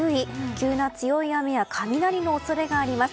急な強い雨や雷の恐れがあります。